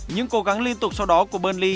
những cố gắng liên tục sau đó của burnley